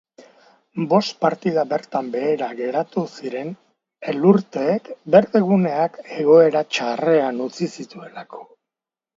Bost partida bertan behera geratu ziren elurteek berdeguneak egoera txarrean utzi zituelako.